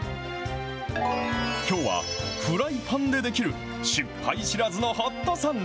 きょうはフライパンでできる、失敗しらずのホットサンド。